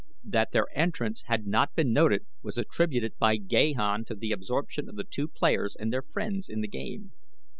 That their entrance had not been noted was attributed by Gahan to the absorption of the two players and their friends in the game.